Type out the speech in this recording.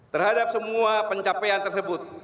terhadap semua pencapaian tersebut